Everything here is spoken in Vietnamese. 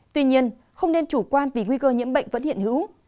tuy nhiên không nên chủ quan vì nguy cơ nhiễm bệnh vẫn hiện hữu